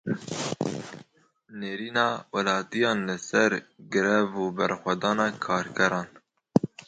Nêrîna welatiyan li ser grev û berxwedana karkeran.